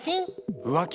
「浮気」？